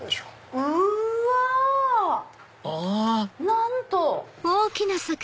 なんと！